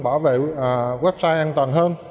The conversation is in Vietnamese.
bảo vệ website an toàn hơn